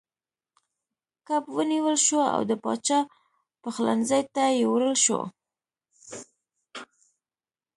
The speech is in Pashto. کب ونیول شو او د پاچا پخلنځي ته یووړل شو.